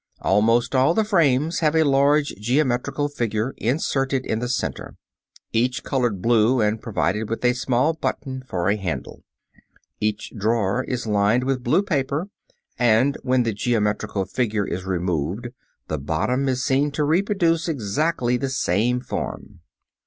] Almost all the frames have a large geometrical figure inserted in the center, each colored blue and provided with a small button for a handle. Each drawer is lined with blue paper, and when the geometrical figure is removed, the bottom is seen to reproduce exactly the same form.